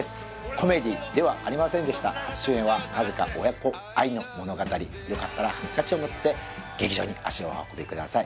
コメディーではありませんでした初主演はなぜか親子愛の物語よかったらハンカチを持って劇場に足をお運びください